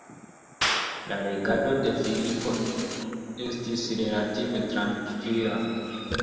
La regado de Filipo estis relative trankvila.